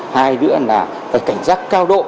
hai đứa là phải cảnh giác cao độ